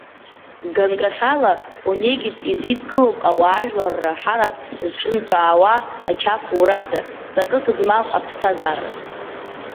Ганкахьала, Онегин изидкылом ауаажәларра ҳарак зҿынҵәаауа ақьафура ада, ҵакык змам аԥсҭазаара…